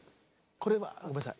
これはごめんなさい。